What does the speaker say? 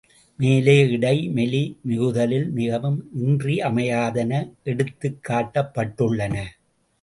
மேலே, இடை மெலி மிகுதலில், மிகவும் இன்றியமையாதன எடுத்துக் காட்டப்பட்டுள்ளன.